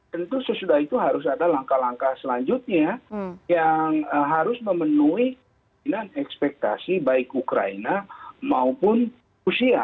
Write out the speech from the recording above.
tentu sesudah itu harus ada langkah langkah selanjutnya yang harus memenuhi kemungkinan ekspektasi baik ukraina maupun rusia